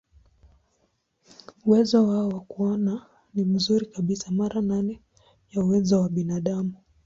Uwezo wao wa kuona ni mzuri kabisa, mara nane ya uwezo wa binadamu.